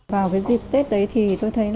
vào cái dịp tết đấy thì tôi thấy